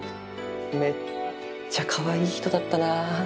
めっちゃかわいい人だったな。